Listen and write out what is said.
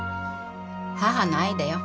母の愛だよ。